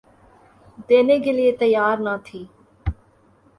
دینے کے لئے تیّار نہ تھی۔